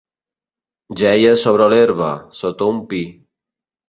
Jeia sobre l'herba, sota un pi.